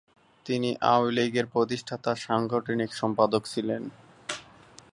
তিনি আওয়ামী লীগের প্রতিষ্ঠাতা সাংগঠনিক সম্পাদক ছিলেন।